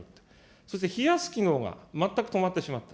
そして冷やす機能が全く止まってしまった。